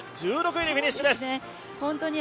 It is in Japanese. １６位でフィニッシュです。